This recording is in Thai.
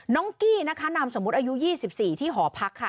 กี้นะคะนามสมมุติอายุ๒๔ที่หอพักค่ะ